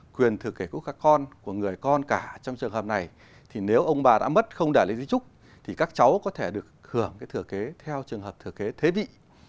quyền thừa kế của các con của người con cả trong trường hợp này thì nếu ông bà đã mất không để lại di trúc thì các cháu có thể được hưởng thừa kế theo trường hợp này